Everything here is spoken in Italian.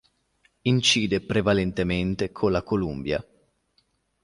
Incide prevalentemente con la Columbia.